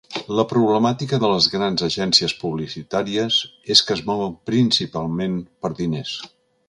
La problemàtica de les grans agències publicitàries és que es mouen principalment per diners.